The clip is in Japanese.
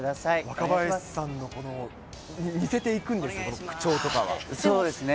若林さんのこの似せていくんそうですね。